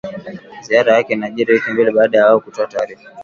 Ziara yake inajiri wiki mbili baada ya wao kutoa taarifa